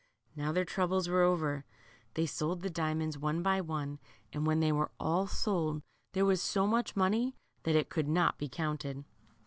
Now their troubles were over. They sold the LITTLE GURLT, 135 diamonds one by one, and when they were all sold there was so much money that it could not be counted.